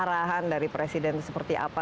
kira kira arahan dari presiden itu seperti apa